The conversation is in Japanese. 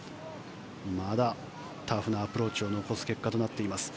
まだタフなアプローチを残す結果となっています。